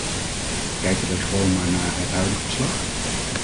Kijken wij gewoon maar naar het huidige verslag.